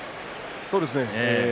そうですね。